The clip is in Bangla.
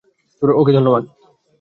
ওকে - ধন্যবাদ।